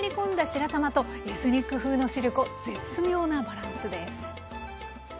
白玉とエスニック風のしるこ絶妙なバランスです。